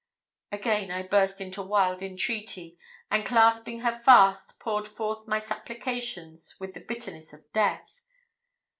Again I burst into wild entreaty, and, clasping her fast, poured forth my supplications with the bitterness of death.